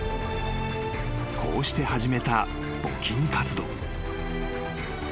［こうして始めた募金活動］